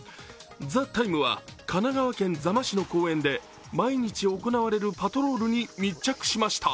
「ＴＨＥＴＩＭＥ，」は神奈川県座間市の公園で毎日行われるパトロールに密着しました。